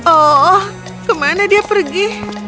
oh kemana dia pergi